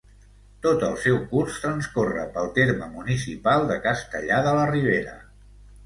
Tot el seu curs transcorre pel terme municipal de Castellar de la Ribera.